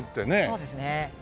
そうですね。